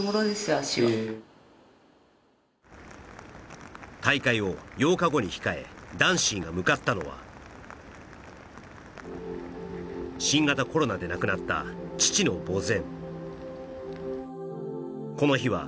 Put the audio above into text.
足は大会を８日後に控えダンシーが向かったのは新型コロナで亡くなった父の墓前